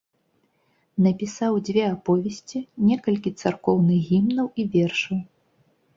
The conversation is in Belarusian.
Напісаў дзве аповесці, некалькі царкоўных гімнаў і вершаў.